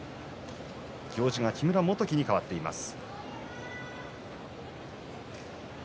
行司が木村元基にかわっています。